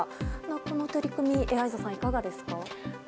この取り組みエライザさん、いかがですか？